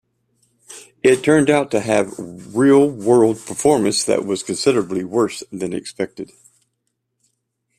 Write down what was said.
It turned out to have "real world" performance that was considerably worse than expected.